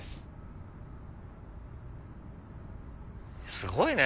すごいね！